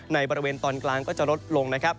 ในบริเวณตอนกลางก็จะลดลงนะครับ